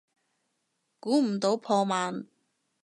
估唔到破万